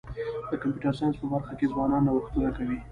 د کمپیوټر ساینس په برخه کي ځوانان نوښتونه کوي.